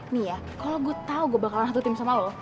nih ya kalau gue tau gue bakalan satu tim sama lo